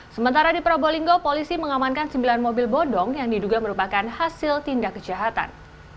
sementara di probolinggo polisi mengamankan sembilan mobil bodong yang diduga merupakan hasil tindak kejahatan